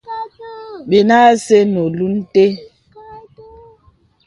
Bənə acə nə olùn té.